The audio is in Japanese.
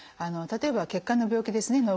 例えば血管の病気ですね。